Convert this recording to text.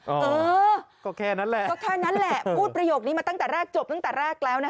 เออก็แค่นั้นแหละพูดประโยคนี้มาตั้งแต่แรกจบตั้งแต่แรกแล้ว